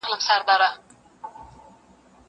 که وخت وي، مځکي ته ګورم!!